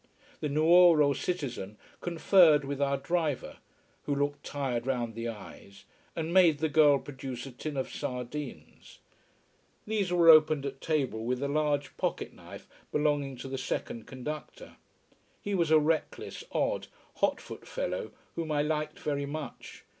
The Nuoro citizen conferred with our driver who looked tired round the eyes and made the girl produce a tin of sardines. These were opened at table with a large pocket knife belonging to the second conductor. He was a reckless, odd, hot foot fellow whom I liked very much.